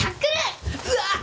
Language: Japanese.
うわっ。